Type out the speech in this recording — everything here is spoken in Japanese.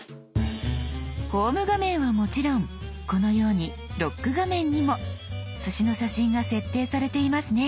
「ホーム画面」はもちろんこのように「ロック画面」にもすしの写真が設定されていますね。